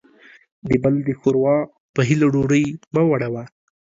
د بل د ښور وا په هيله ډوډۍ مه وړوه.